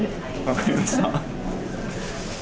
分かりました。